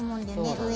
上。